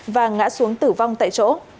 và ngã xuống tử vong tại chỗ